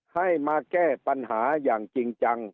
ให้มาแก้ปัญหาอย่างจริงจัง